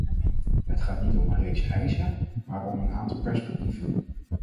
Het gaat niet om een reeks eisen, maar om een aantal perspectieven.